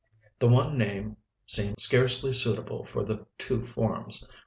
The one name seems scarcely suitable for the two forms.